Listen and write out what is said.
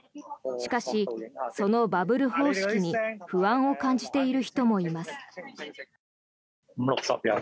しかし、そのバブル方式に不安を感じている人もいます。